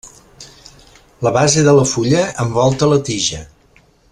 La base de la fulla envolta la tija.